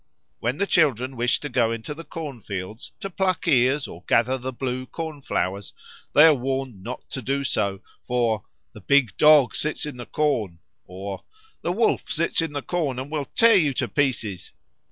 When children wish to go into the corn fields to pluck ears or gather the blue corn flowers, they are warned not to do so, for "the big Dog sits in the corn," or "the Wolf sits in the corn, and will tear you in pieces," "the Wolf will eat you."